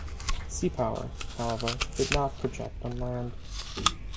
Sea power, however, did not project on land.